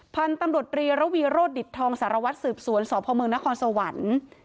พันธุ์ตำรวจรีระวีโรธดิตทองสารวัตรสืบสวนสพเมืองนครสวรรค์